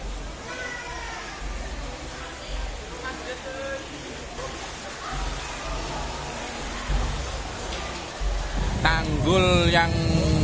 sejak tahun dua ribu tujuh belas tanggul yang berangkal ini berada di desa wiring rejo